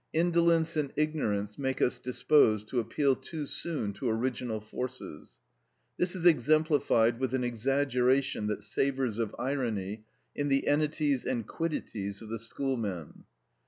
Indolence and ignorance make us disposed to appeal too soon to original forces. This is exemplified with an exaggeration that savours of irony in the entities and quidities of the schoolmen.